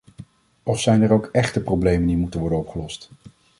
Of zijn er ook echte problemen die moeten worden opgelost?